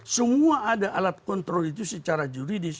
semua ada alat kontrol itu secara juridis